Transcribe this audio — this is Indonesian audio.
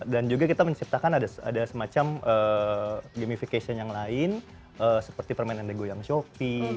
dan juga kita menciptakan ada semacam gamification yang lain seperti permainan yang goyang shopee